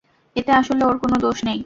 এতে আসলে ওর কোনো দোষ নেই।